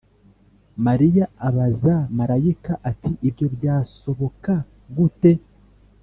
Mariya abaza marayika ati ibyo byasoboka gute